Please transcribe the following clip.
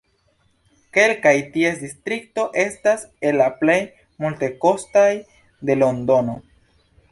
Kelkaj ties distriktoj estas el la plej multekostaj de Londono.